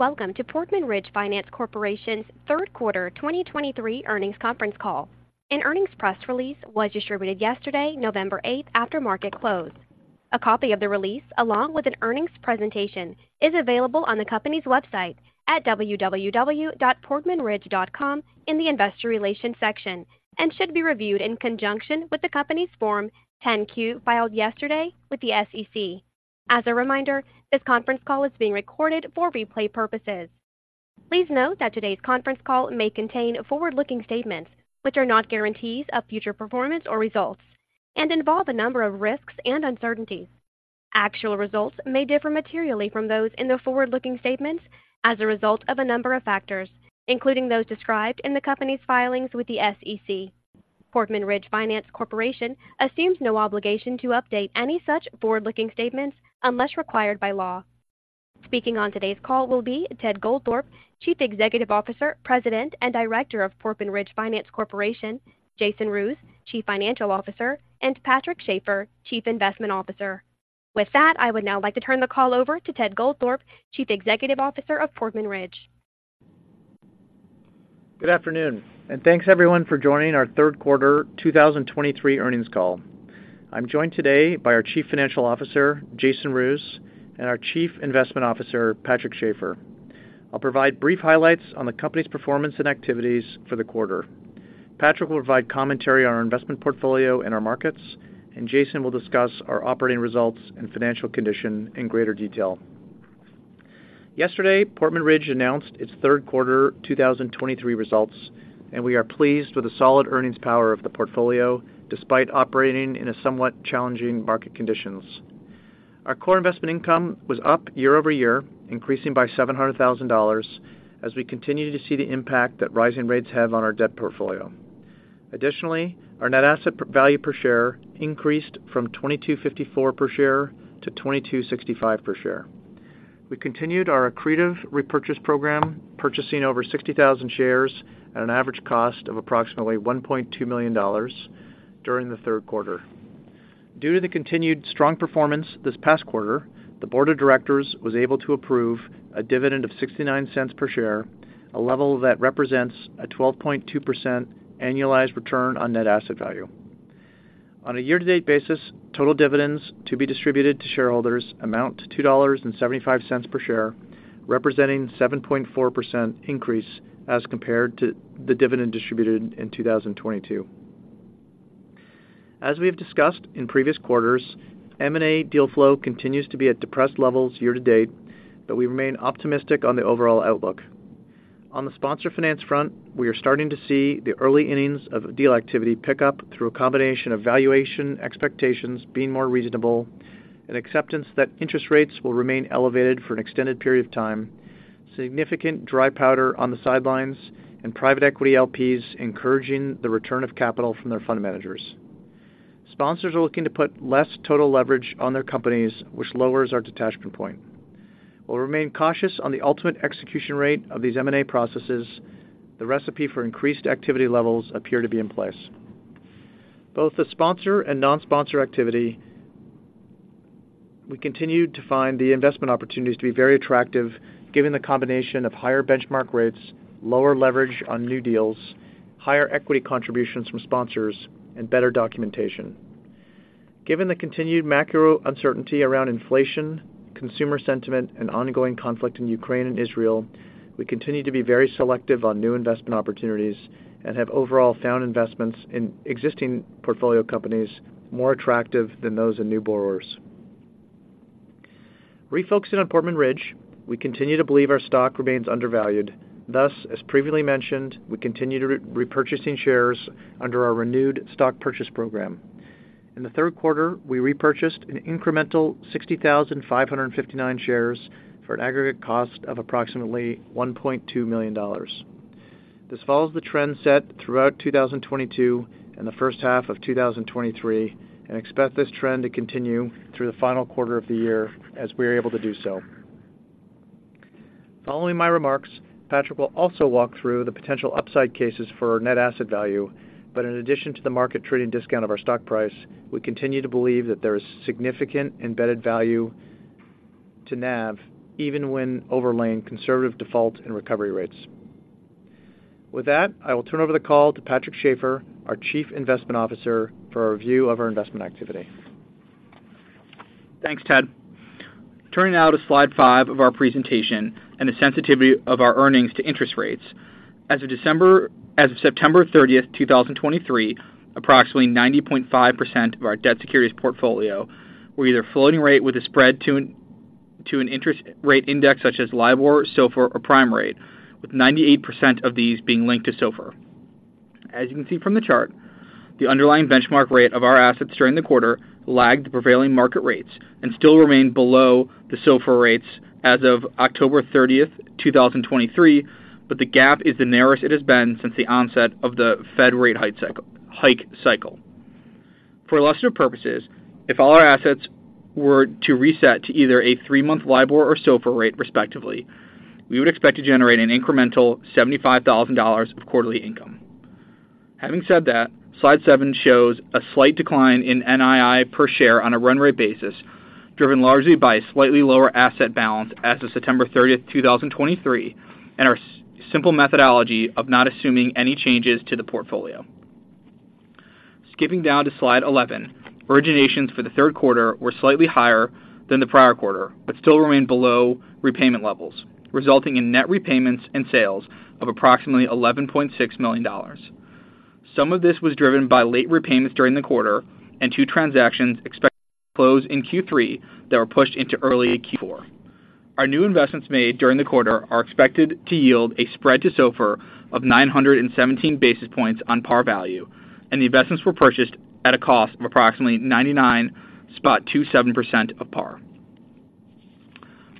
Welcome to Portman Ridge Finance Corporation's third quarter 2023 earnings conference call. An earnings press release was distributed yesterday, November 8, after market close. A copy of the release, along with an earnings presentation, is available on the company's website at www.portmanridge.com in the Investor Relations section, and should be reviewed in conjunction with the company's Form 10-Q filed yesterday with the SEC. As a reminder, this conference call is being recorded for replay purposes. Please note that today's conference call may contain forward-looking statements which are not guarantees of future performance or results and involve a number of risks and uncertainties. Actual results may differ materially from those in the forward-looking statements as a result of a number of factors, including those described in the company's filings with the SEC. Portman Ridge Finance Corporation assumes no obligation to update any such forward-looking statements unless required by law. Speaking on today's call will be Ted Goldthorpe, Chief Executive Officer, President, and Director of Portman Ridge Finance Corporation, Jason Roos, Chief Financial Officer, and Patrick Schafer, Chief Investment Officer. With that, I would now like to turn the call over to Ted Goldthorpe, Chief Executive Officer of Portman Ridge. Good afternoon, and thanks, everyone, for joining our third quarter 2023 earnings call. I'm joined today by our Chief Financial Officer, Jason Roos, and our Chief Investment Officer, Patrick Schafer. I'll provide brief highlights on the company's performance and activities for the quarter. Patrick will provide commentary on our investment portfolio and our markets, and Jason will discuss our operating results and financial condition in greater detail. Yesterday, Portman Ridge announced its third quarter 2023 results, and we are pleased with the solid earnings power of the portfolio, despite operating in a somewhat challenging market conditions. Our core investment income was up year-over-year, increasing by $700,000, as we continue to see the impact that rising rates have on our debt portfolio. Additionally, our net asset value per share increased from $22.54 per share to $22.65 per share. We continued our accretive repurchase program, purchasing over $60,000 shares at an average cost of approximately $1.2 million during the third quarter. Due to the continued strong performance this past quarter, the board of directors was able to approve a dividend of $0.69 per share, a level that represents a 12.2% annualized return on net asset value. On a year-to-date basis, total dividends to be distributed to shareholders amount to $2.75 per share, representing 7.4% increase as compared to the dividend distributed in 2022. As we have discussed in previous quarters, M&A deal flow continues to be at depressed levels year to date, but we remain optimistic on the overall outlook. On the sponsor finance front, we are starting to see the early innings of deal activity pick up through a combination of valuation expectations being more reasonable and acceptance that interest rates will remain elevated for an extended period of time, significant dry powder on the sidelines, and private equity LPs encouraging the return of capital from their fund managers. Sponsors are looking to put less total leverage on their companies, which lowers our detachment point. We'll remain cautious on the ultimate execution rate of these M&A processes. The recipe for increased activity levels appear to be in place. Both the sponsor and non-sponsor activity, we continued to find the investment opportunities to be very attractive, given the combination of higher benchmark rates, lower leverage on new deals, higher equity contributions from sponsors, and better documentation. Given the continued macro uncertainty around inflation, consumer sentiment, and ongoing conflict in Ukraine and Israel, we continue to be very selective on new investment opportunities and have overall found investments in existing portfolio companies more attractive than those in new borrowers. Refocusing on Portman Ridge, we continue to believe our stock remains undervalued. Thus, as previously mentioned, we continue to repurchasing shares under our renewed stock purchase program. In the third quarter, we repurchased an incremental 60,559 shares for an aggregate cost of approximately $1.2 million. This follows the trend set throughout 2022 and the first half of 2023, and expect this trend to continue through the final quarter of the year as we are able to do so. Following my remarks, Patrick will also walk through the potential upside cases for our net asset value. But in addition to the market trading discount of our stock price, we continue to believe that there is significant embedded value to NAV, even when overlaying conservative default and recovery rates. With that, I will turn over the call to Patrick Schafer, our Chief Investment Officer, for a review of our investment activity. Thanks, Ted. Turning now to slide five of our presentation and the sensitivity of our earnings to interest rates. As of September 30th, 2023, approximately 90.5% of our debt securities portfolio were either floating rate with a spread to an interest rate index, such as LIBOR, SOFR, or prime rate, with 98% of these being linked to SOFR. As you can see from the chart, the underlying benchmark rate of our assets during the quarter lagged prevailing market rates and still remained below the SOFR rates as of October 30th, 2023, but the gap is the narrowest it has been since the onset of the Fed rate hike cycle. For illustrative purposes, if all our assets were to reset to either a three-month LIBOR or SOFR rate, respectively, we would expect to generate an incremental $75,000 of quarterly income. Having said that, slide seven shows a slight decline in NII per share on a run rate basis, driven largely by a slightly lower asset balance as of September 30th, 2023, and our simple methodology of not assuming any changes to the portfolio. Skipping down to slide 11, originations for the third quarter were slightly higher than the prior quarter, but still remained below repayment levels, resulting in net repayments and sales of approximately $11.6 million. Some of this was driven by late repayments during the quarter and two transactions expected to close in Q3 that were pushed into early Q4. Our new investments made during the quarter are expected to yield a spread to SOFR of 917 basis points on par value, and the investments were purchased at a cost of approximately 99.27% of par.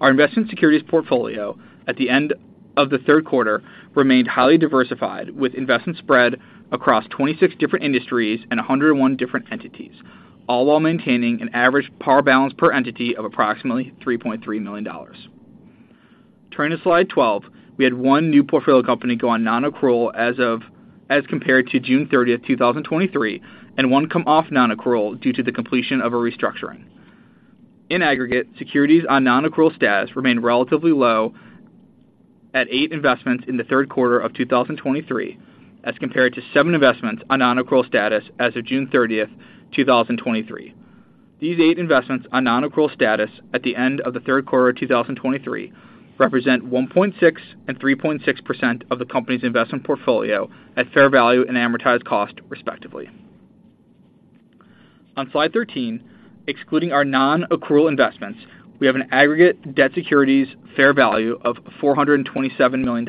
Our investment securities portfolio at the end of the third quarter remained highly diversified, with investments spread across 26 different industries and 101 different entities, all while maintaining an average par balance per entity of approximately $3.3 million. Turning to slide 12, we had one new portfolio company go on non-accrual as of as compared to June 30th, 2023, and one come off non-accrual due to the completion of a restructuring. In aggregate, securities on non-accrual status remained relatively low at eight investments in the third quarter of 2023, as compared to seven investments on non-accrual status as of June 30th, 2023. These eight investments on non-accrual status at the end of the third quarter of 2023 represent 1.6% and 3.6% of the company's investment portfolio at fair value and amortized cost, respectively. On slide 13, excluding our non-accrual investments, we have an aggregate debt securities fair value of $427 million,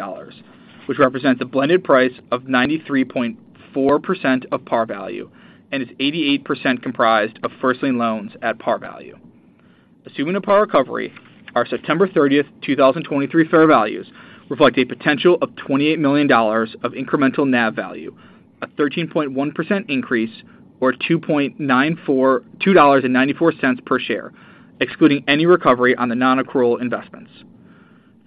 which represents a blended price of 93.4% of par value and is 88% comprised of first lien loans at par value. Assuming a par recovery, our September 30th, 2023, fair values reflect a potential of $28 million of incremental NAV value, a 13.1% increase, or $2.94 per share, excluding any recovery on the non-accrual investments.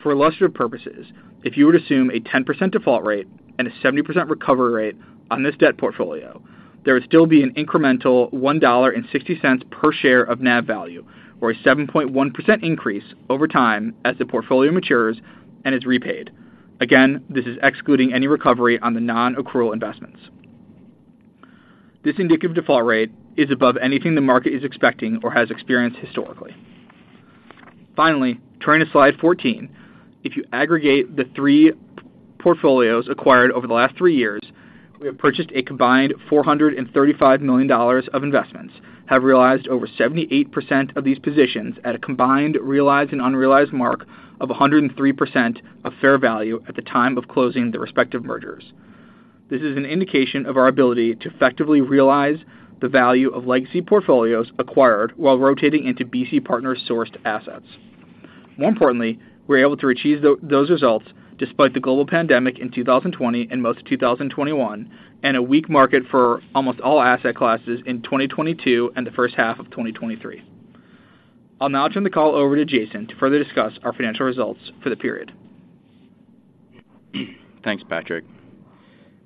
For illustrative purposes, if you were to assume a 10% default rate and a 70% recovery rate on this debt portfolio, there would still be an incremental $1.60 per share of NAV value, or a 7.1% increase over time as the portfolio matures and is repaid. Again, this is excluding any recovery on the non-accrual investments. This indicative default rate is above anything the market is expecting or has experienced historically. Finally, turning to slide 14. If you aggregate the three portfolios acquired over the last three years, we have purchased a combined $435 million of investments, have realized over 78% of these positions at a combined realized and unrealized mark of 103% of fair value at the time of closing the respective mergers. This is an indication of our ability to effectively realize the value of legacy portfolios acquired while rotating into BC Partners-sourced assets. More importantly, we were able to achieve those results despite the global pandemic in 2020 and most of 2021, and a weak market for almost all asset classes in 2022 and the first half of 2023. I'll now turn the call over to Jason to further discuss our financial results for the period. Thanks, Patrick.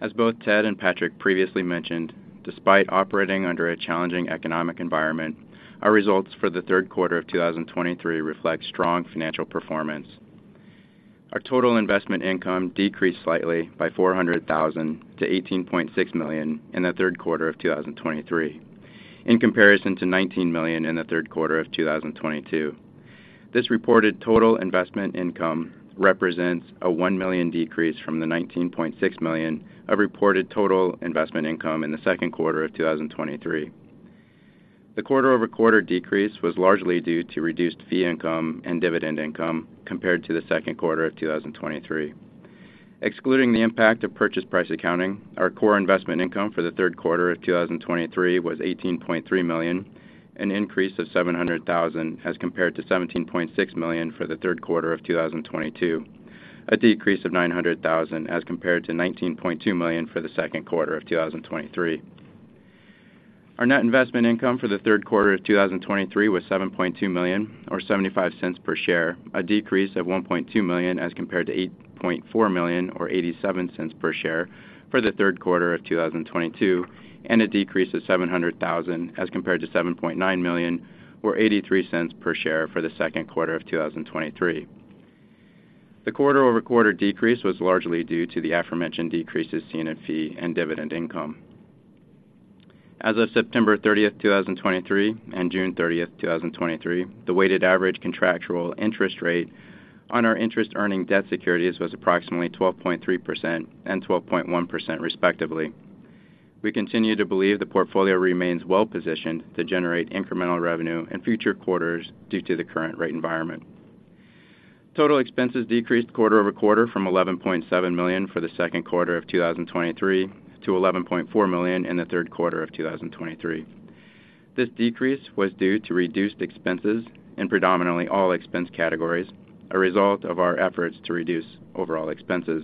As both Ted and Patrick previously mentioned, despite operating under a challenging economic environment, our results for the third quarter of 2023 reflect strong financial performance. Our total investment income decreased slightly by $400,000 to $18.6 million in the third quarter of 2023, in comparison to $19 million in the third quarter of 2022. This reported total investment income represents a $1 million decrease from the $19.6 million of reported total investment income in the second quarter of 2023. The quarter-over-quarter decrease was largely due to reduced fee income and dividend income compared to the second quarter of 2023. Excluding the impact of purchase price accounting, our core investment income for the third quarter of 2023 was $18.3 million, an increase of $700,000 as compared to $17.6 million for the third quarter of 2022. A decrease of $900,000 as compared to $19.2 million for the second quarter of 2023. Our net investment income for the third quarter of 2023 was $7.2 million, or $0.75 per share, a decrease of $1.2 million as compared to $8.4 million, or $0.87 per share, for the third quarter of 2022, and a decrease of $700,000 as compared to $7.9 million, or $0.83 per share for the second quarter of 2023. The quarter-over-quarter decrease was largely due to the aforementioned decreases seen in fee and dividend income. As of September 30th, 2023, and June 30th, 2023, the weighted average contractual interest rate on our interest earning debt securities was approximately 12.3% and 12.1%, respectively. We continue to believe the portfolio remains well-positioned to generate incremental revenue in future quarters due to the current rate environment. Total expenses decreased quarter-over-quarter from $11.7 million for the second quarter of 2023 to $11.4 million in the third quarter of 2023. This decrease was due to reduced expenses in predominantly all expense categories, a result of our efforts to reduce overall expenses.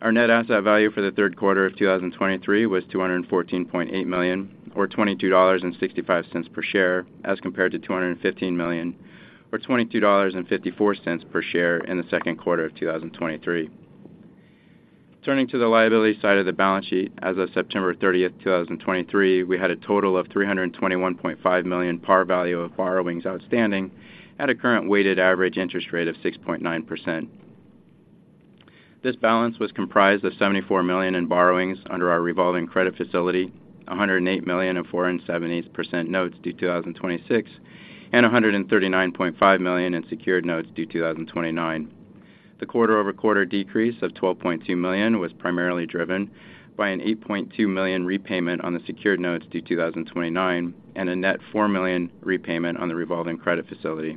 Our net asset value for the third quarter of 2023 was $214.8 million, or $22.65 per share, as compared to $215 million, or $22.54 per share, in the second quarter of 2023. Turning to the liability side of the balance sheet, as of September 30th, 2023, we had a total of $321.5 million par value of borrowings outstanding at a current weighted average interest rate of 6.9%. This balance was comprised of $74 million in borrowings under our revolving credit facility, $108 million of 4.875% notes due 2026, and $139.5 million in secured notes due 2029. The quarter-over-quarter decrease of $12.2 million was primarily driven by an $8.2 million repayment on the secured notes due 2029, and a net $4 million repayment on the revolving credit facility.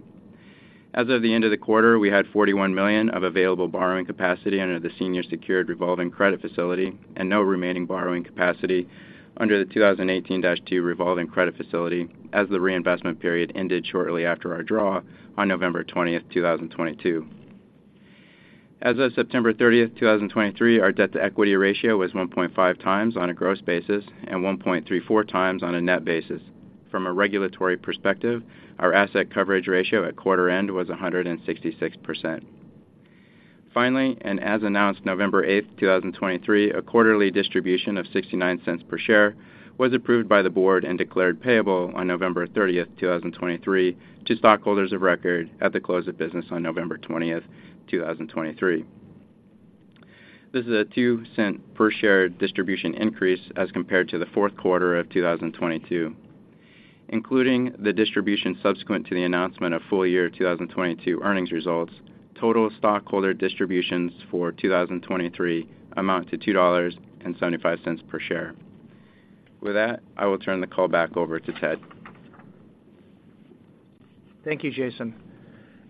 As of the end of the quarter, we had $41 million of available borrowing capacity under the senior secured revolving credit facility and no remaining borrowing capacity under the 2018-2 revolving credit facility, as the reinvestment period ended shortly after our draw on November 20th, 2022. As of September 30th, 2023, our debt-to-equity ratio was 1.5x on a gross basis and 1.34x on a net basis. From a regulatory perspective, our asset coverage ratio at quarter end was 166%. Finally, and as announced November 8, 2023, a quarterly distribution of $0.69 per share was approved by the board and declared payable on November 30th, 2023, to stockholders of record at the close of business on November 20th, 2023. This is a $0.2 per share distribution increase as compared to the fourth quarter of 2022. Including the distribution subsequent to the announcement of full year 2022 earnings results, total stockholder distributions for 2023 amount to $2.75 per share. With that, I will turn the call back over to Ted. Thank you, Jason.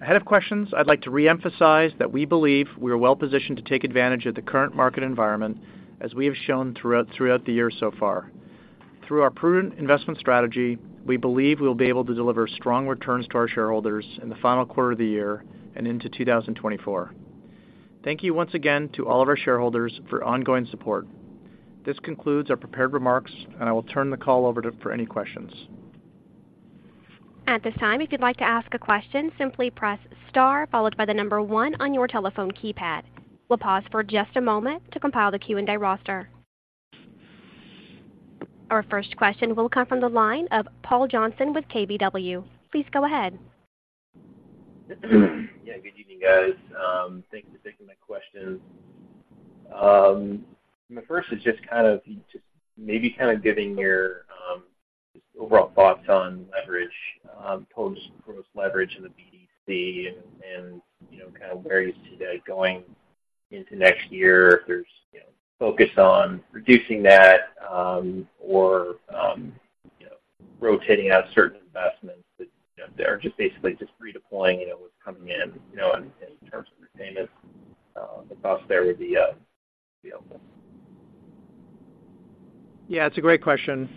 Ahead of questions, I'd like to reemphasize that we believe we are well-positioned to take advantage of the current market environment, as we have shown throughout the year so far. Through our prudent investment strategy, we believe we'll be able to deliver strong returns to our shareholders in the final quarter of the year and into 2024. Thank you once again to all of our shareholders for ongoing support. This concludes our prepared remarks, and I will turn the call over to for any questions. At this time, if you'd like to ask a question, simply press Star, followed by the number one on your telephone keypad. We'll pause for just a moment to compile the Q&A roster. Our first question will come from the line of Paul Johnson with KBW. Please go ahead. Yeah, good evening, guys. Thanks for taking my questions. My first is just kind of just maybe kind of giving your, just overall thoughts on leverage, post-gross leverage in the BDC and, and, you know, kind of where you see that going into next year, if there's, you know, focus on reducing that, or, you know, rotating out certain investments that, you know, they're just basically just redeploying, you know, what's coming in, you know, in, in terms of the payments, the thoughts there would be helpful. Yeah, it's a great question.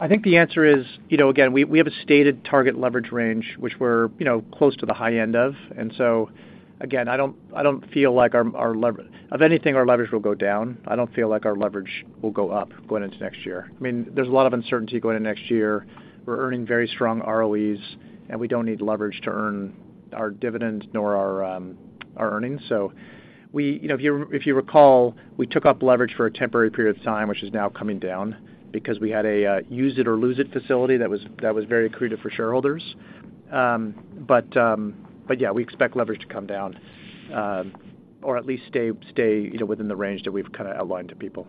I think the answer is, you know, again, we have a stated target leverage range, which we're, you know, close to the high end of, and so again, I don't feel like our leverage. If anything, our leverage will go down. I don't feel like our leverage will go up going into next year. I mean, there's a lot of uncertainty going into next year. We're earning very strong ROEs, and we don't need leverage to earn our dividend nor our earnings. So we... You know, if you recall, we took up leverage for a temporary period of time, which is now coming down because we had a use it or lose it facility that was very accretive for shareholders. But yeah, we expect leverage to come down, or at least stay, you know, within the range that we've kind of outlined to people.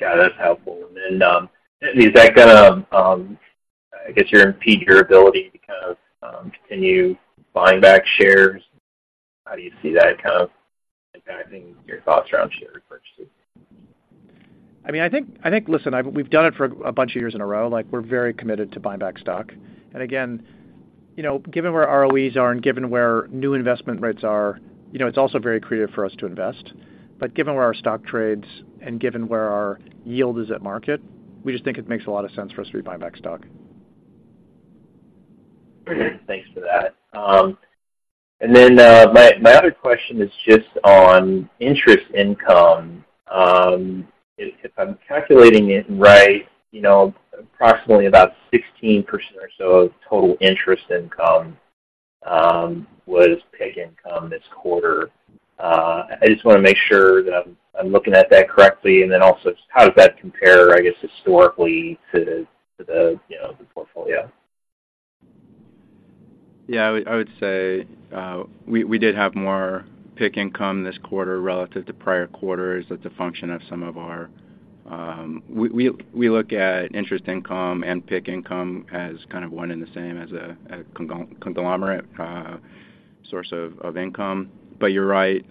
Yeah, that's helpful. Is that gonna impede your ability to kind of continue buying back shares? How do you see that kind of impacting your thoughts around share purchases? I mean, I think, I think, listen, I've—we've done it for a bunch of years in a row. Like, we're very committed to buying back stock. And again, you know, given where our ROEs are and given where new investment rates are, you know, it's also very creative for us to invest. But given where our stock trades and given where our yield is at market, we just think it makes a lot of sense for us to buy back stock. Thanks for that. And then, my other question is just on interest income. If I'm calculating it right, you know, approximately about 16% or so of total interest income was PIK income this quarter. I just wanna make sure that I'm looking at that correctly, and then also, how does that compare, I guess, historically to the, to the, you know, the portfolio? Yeah, I would say we did have more PIK income this quarter relative to prior quarters as a function of some of our... We look at interest income and PIK income as kind of one and the same, as a conglomerate source of income. But you're right,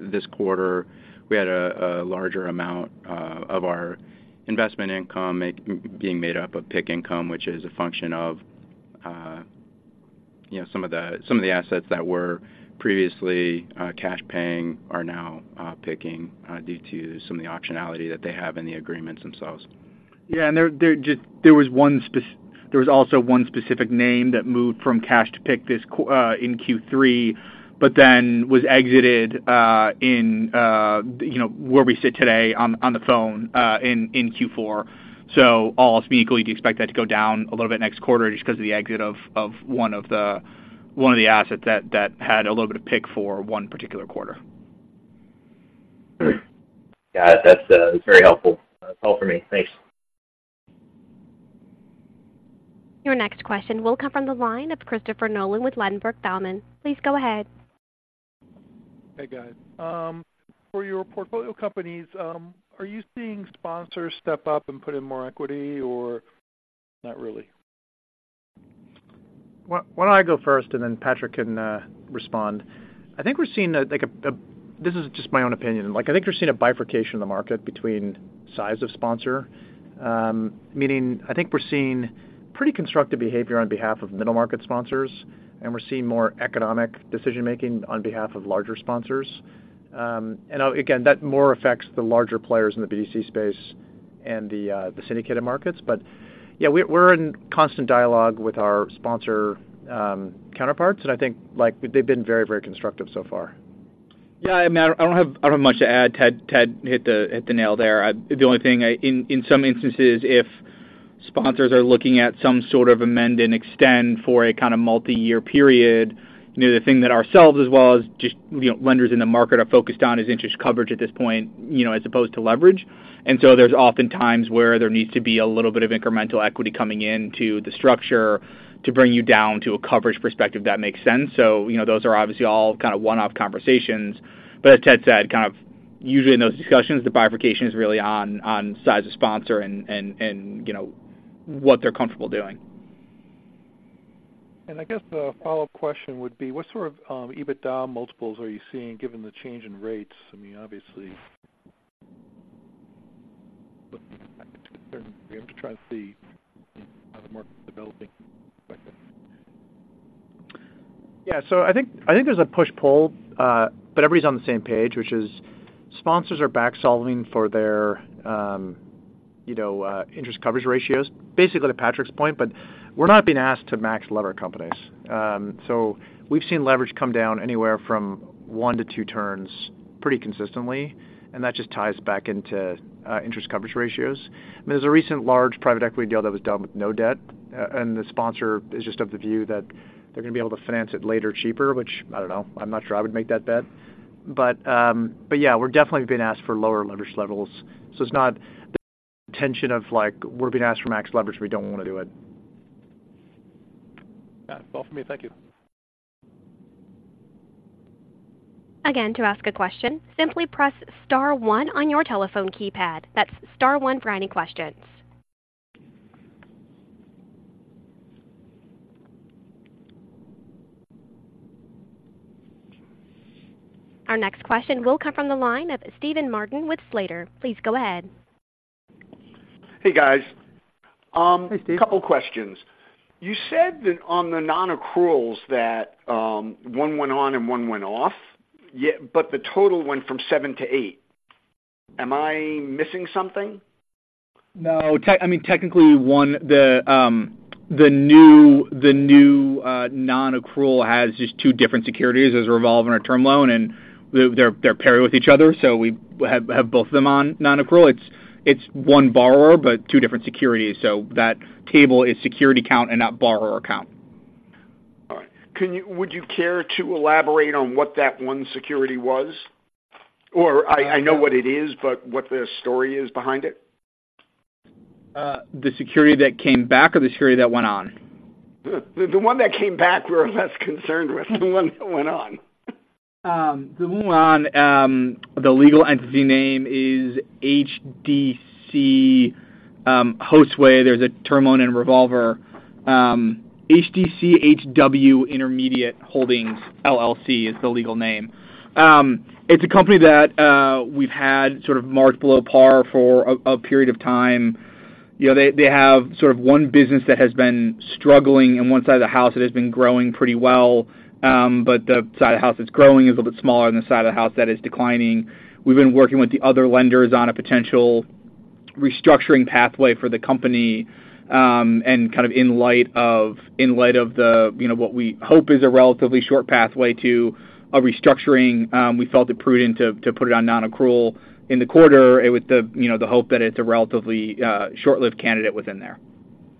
this quarter, we had a larger amount of our investment income being made up of PIK income, which is a function of, you know, some of the assets that were previously cash paying are now PIKing due to some of the optionality that they have in the agreements themselves. Yeah, and there was also one specific name that moved from cash to PIK in Q3, but then was exited in-... you know, where we sit today on the phone in Q4. So all else being equal, do you expect that to go down a little bit next quarter just 'cause of the exit of one of the assets that had a little bit of PIK for one particular quarter? Yeah, that's very helpful. That's all for me. Thanks. Your next question will come from the line of Christopher Nolan with Ladenburg Thalmann. Please go ahead. Hey, guys. For your portfolio companies, are you seeing sponsors step up and put in more equity or not really? Well, why don't I go first, and then Patrick can respond. I think we're seeing, like, this is just my own opinion. Like, I think we're seeing a bifurcation in the market between size of sponsor. Meaning I think we're seeing pretty constructive behavior on behalf of middle-market sponsors, and we're seeing more economic decision-making on behalf of larger sponsors. And, again, that more affects the larger players in the BDC space and the syndicated markets. But, yeah, we're in constant dialogue with our sponsor counterparts, and I think, like, they've been very, very constructive so far. Yeah, I mean, I don't have much to add. Ted hit the nail there. The only thing I in some instances, if sponsors are looking at some sort of amend and extend for a kind of multiyear period, you know, the thing that ourselves, as well as just, you know, lenders in the market are focused on, is interest coverage at this point, you know, as opposed to leverage. And so there's often times where there needs to be a little bit of incremental equity coming in to the structure to bring you down to a coverage perspective that makes sense. So, you know, those are obviously all kind of one-off conversations, but as Ted said, kind of usually in those discussions, the bifurcation is really on size of sponsor and, you know, what they're comfortable doing. I guess the follow-up question would be: What sort of EBITDA multiples are you seeing given the change in rates? I mean, obviously, I'm just trying to see how the market is developing. Yeah. So I think, I think there's a push-pull, but everybody's on the same page, which is sponsors are back solving for their, you know, interest coverage ratios, basically to Patrick's point, but we're not being asked to max lever companies. So we've seen leverage come down anywhere from one to two turns pretty consistently, and that just ties back into, interest coverage ratios. There's a recent large private equity deal that was done with no debt, and the sponsor is just of the view that they're going to be able to finance it later, cheaper, which I don't know, I'm not sure I would make that bet. But, but yeah, we're definitely being asked for lower leverage levels. So it's not the intention of like, we're being asked for max leverage, we don't wanna do it. Yeah. All for me. Thank you. Again, to ask a question, simply press star one on your telephone keypad. That's star one for any questions. Our next question will come from the line of Steven Martin with Slater. Please go ahead. Hey, guys. Hi, Steve. A couple of questions. You said that on the non-accruals, that, one went on and one went off, yeah, but the total went from seven to eight. Am I missing something? No. I mean, technically, one, the new non-accrual has just two different securities, a revolving or term loan, and they're paired with each other, so we have both of them on non-accrual. It's one borrower, but two different securities. So that table is security count and not borrower count. All right. Can you—would you care to elaborate on what that one security was? Or I, I know what it is, but what the story is behind it. The security that came back or the security that went on? The one that came back, we're less concerned with, the one that went on. The one went on, the legal entity name is HDC, Hostway. There's a term loan and revolver. HDCHW Intermediate Holdings, LLC, is the legal name. It's a company that we've had sort of marked below par for a period of time. You know, they have sort of one business that has been struggling, and one side of the house that has been growing pretty well. But the side of the house that's growing is a little bit smaller than the side of the house that is declining. We've been working with the other lenders on a potential restructuring pathway for the company, and kind of in light of the, you know, what we hope is a relatively short pathway to a restructuring, we felt it prudent to put it on non-accrual in the quarter, with the, you know, the hope that it's a relatively short-lived candidate within there.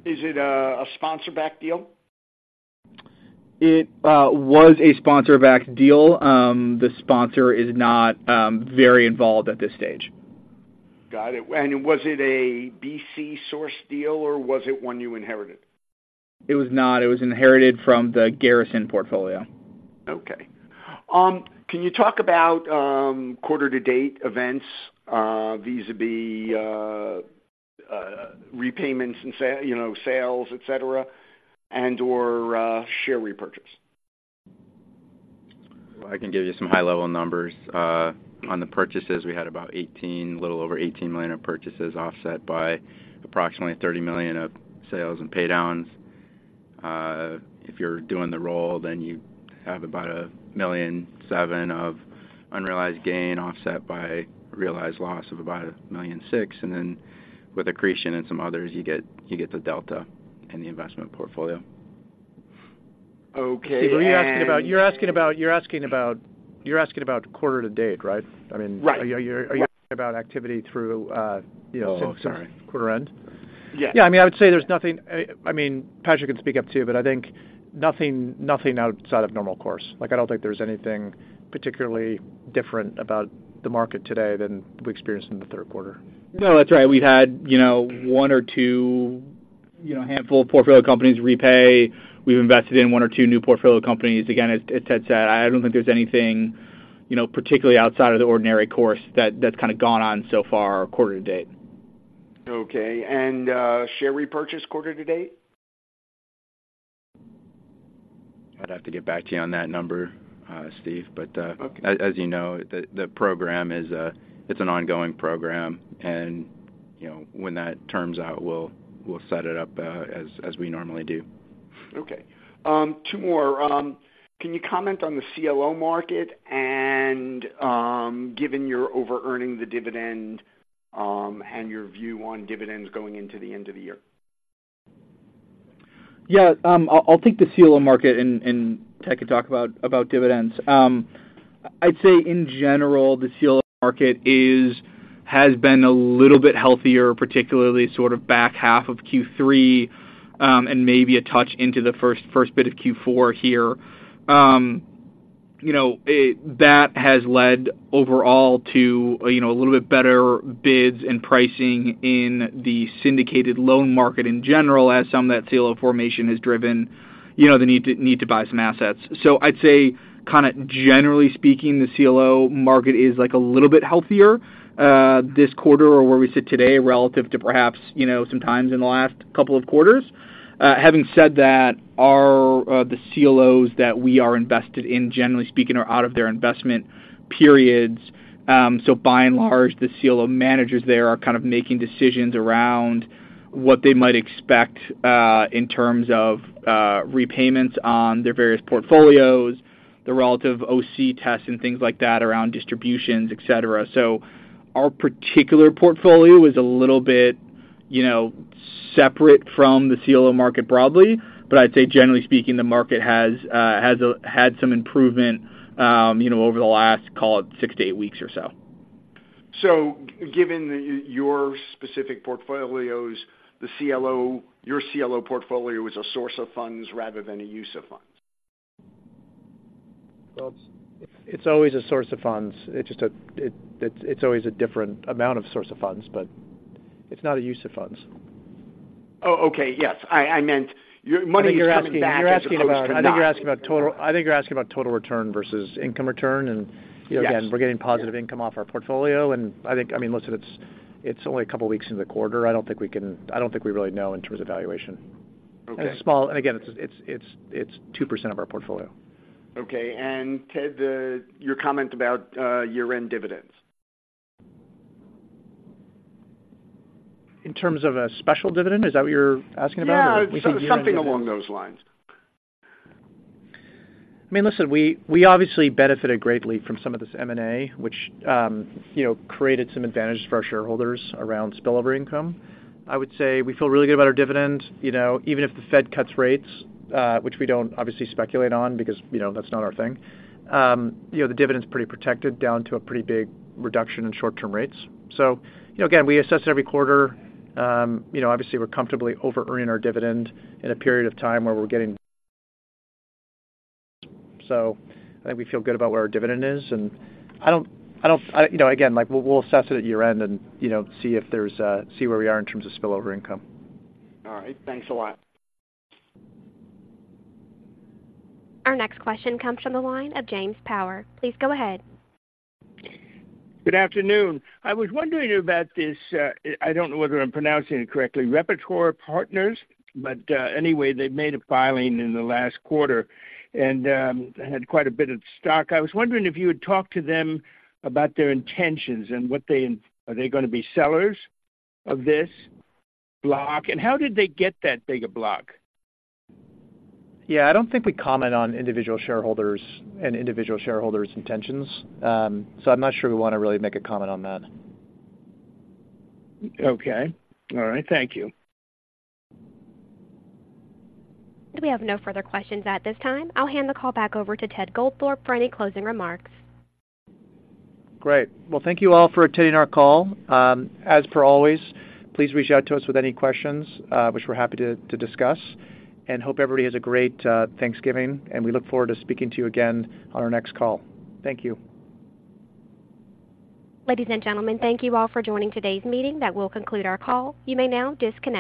Is it a sponsor-backed deal? It was a sponsor-backed deal. The sponsor is not very involved at this stage. Got it. And was it a BC source deal, or was it one you inherited? It was not. It was inherited from the Garrison portfolio. Okay. Can you talk about quarter-to-date events vis-à-vis repayments and, you know, sales, et cetera, and/or share repurchase? I can give you some high-level numbers. On the purchases, we had about eighteen-- little over $18 million of purchases, offset by approximately $30 million of sales and pay downs. If you're doing the roll, then you have about $1.7 million of unrealized gain, offset by realized loss of about $1.6 million. And then with accretion and some others, you get, you get the delta in the investment portfolio.... Okay, are you asking about quarter to date, right? I mean- Right. Are you, are you asking about activity through, you know- Sorry. Quarter end? Yeah. Yeah, I mean, I would say there's nothing... I mean, Patrick can speak up, too, but I think nothing, nothing outside of normal course. Like, I don't think there's anything particularly different about the market today than we experienced in the third quarter. No, that's right. We've had, you know, one or two, you know, handful of portfolio companies repay. We've invested in one or two new portfolio companies. Again, as Ted said, I don't think there's anything, you know, particularly outside of the ordinary course that's kind of gone on so far quarter to date. Okay. And, share repurchase quarter to date? I'd have to get back to you on that number, Steve. But- Okay. As you know, the program is. It's an ongoing program, and, you know, when that terms out, we'll set it up as we normally do. Okay. Two more. Can you comment on the CLO market and, given your overearning the dividend, and your view on dividends going into the end of the year? Yeah, I'll take the CLO market and Ted could talk about dividends. I'd say in general, the CLO market has been a little bit healthier, particularly sort of back half of Q3, and maybe a touch into the first bit of Q4 here. You know, it that has led overall to, you know, a little bit better bids and pricing in the syndicated loan market in general, as some of that CLO formation has driven, you know, the need to buy some assets. So I'd say, kind of generally speaking, the CLO market is, like, a little bit healthier, this quarter or where we sit today, relative to perhaps, you know, some times in the last couple of quarters. Having said that, our CLOs that we are invested in, generally speaking, are out of their investment periods. So by and large, the CLO managers there are kind of making decisions around what they might expect in terms of repayments on their various portfolios, the relative OC tests and things like that, around distributions, et cetera. So our particular portfolio is a little bit, you know, separate from the CLO market broadly, but I'd say generally speaking, the market has had some improvement, you know, over the last, call it, six to eight weeks or so. Given your specific portfolios, the CLO, your CLO portfolio is a source of funds rather than a use of funds? Well, it's always a source of funds. It's just a different amount of source of funds, but it's not a use of funds. Oh, okay. Yes, I meant your money is coming back- I think you're asking about total return versus income return. And, you know- Yes... again, we're getting positive income off our portfolio, and I think, I mean, listen, it's, it's only a couple of weeks into the quarter. I don't think we can - I don't think we really know in terms of valuation. Okay. It's small, and again, it's 2% of our portfolio. Okay, and Ted, your comment about year-end dividends. In terms of a special dividend, is that what you're asking about? Yeah, so- We can- Something along those lines. I mean, listen, we, we obviously benefited greatly from some of this M&A, which, you know, created some advantages for our shareholders around spillover income. I would say we feel really good about our dividend. You know, even if the Fed cuts rates, which we don't obviously speculate on, because, you know, that's not our thing, you know, the dividend's pretty protected down to a pretty big reduction in short-term rates. So, you know, again, we assess every quarter. You know, obviously, we're comfortably overearning our dividend in a period of time where we're getting... So I think we feel good about where our dividend is, and I don't, I don't, I, you know, again, like, we'll, we'll assess it at year-end and, you know, see if there's a, see where we are in terms of spillover income. All right. Thanks a lot. Our next question comes from the line of James Power. Please go ahead. Good afternoon. I was wondering about this, I don't know whether I'm pronouncing it correctly, Repertoire Partners? But, anyway, they made a filing in the last quarter and, had quite a bit of stock. I was wondering if you had talked to them about their intentions and what they-- are they gonna be sellers of this block, and how did they get that big a block? Yeah, I don't think we comment on individual shareholders and individual shareholders' intentions. So I'm not sure we want to really make a comment on that. Okay. All right. Thank you. We have no further questions at this time. I'll hand the call back over to Ted Goldthorpe for any closing remarks. Great. Well, thank you all for attending our call. As per always, please reach out to us with any questions, which we're happy to discuss, and hope everybody has a great Thanksgiving, and we look forward to speaking to you again on our next call. Thank you. Ladies and gentlemen, thank you all for joining today's meeting. That will conclude our call. You may now disconnect.